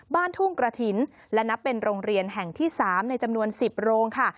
บ้านทุ่งกระถิ่นและนับเป็นโรงเรียนแห่งที่๓ในจำนวน๑๐โรงค่ะ